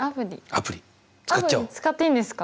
アプリ使っていいんですか？